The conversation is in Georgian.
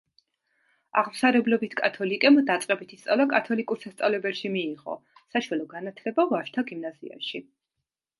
აღმსარებლობით კათოლიკემ დაწყებითი სწავლა კათოლიკურ სასწავლებელში მიიღო, საშუალო განათლება ვაჟთა გიმნაზიაში.